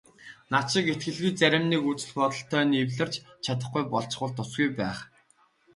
Над шиг итгэлгүй зарим нэг үзэл бодолтой нь эвлэрч чадахгүй болчихвол тусгүй байх.